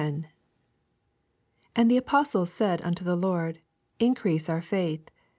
5 And the Apostlee said unto the Lord, Increase our faith.